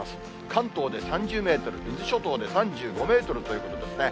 関東で３０メートル、伊豆諸島で３５メートルということですね。